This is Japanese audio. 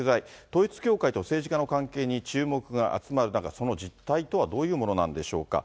統一教会と政治家の関係に注目が集まる中、その実態とはどういうものなんでしょうか。